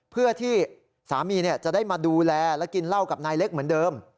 เพื่อที่สามีจะได้มาดูแลและกินเหล้ากับนายเล็กเหมือนเดิม